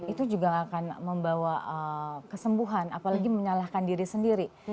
itu juga akan membawa kesembuhan apalagi menyalahkan diri sendiri